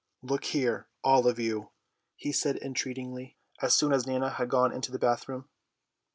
"Look here, all of you," he said entreatingly, as soon as Nana had gone into the bathroom.